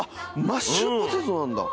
マッシュポテトなんだ。